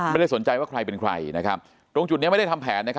ไม่ได้สนใจว่าใครเป็นใครนะครับตรงจุดนี้ไม่ได้ทำแผนนะครับ